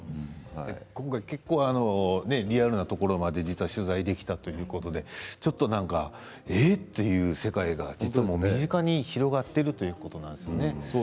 今回、結構リアルなところまで実は取材できたということでちょっと、ええっという世界が実は身近に広まっているということなんですね。